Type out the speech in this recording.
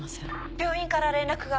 病院から連絡が。